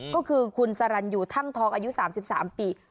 ก็คือคุณสรรยูทั่งทองอายุ๓๓ปี